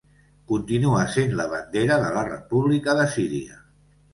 Continua sent la bandera de la República de Síria.